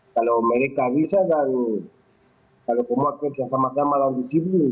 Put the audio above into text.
kalau mereka bisa kalau pemakai kesehatan matlamat dan disiplin